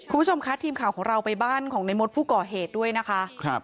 คุณผู้ชมคะทีมข่าวของเราไปบ้านของในมดผู้ก่อเหตุด้วยนะคะ